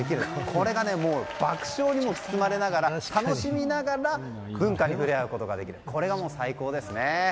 これが爆笑にも包まれながら楽しみながら文化に触れ合うことができるこれはもう、最高ですね。